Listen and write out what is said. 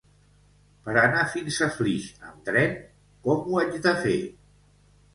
Per anar fins a Flix amb tren, com ho haig de fer?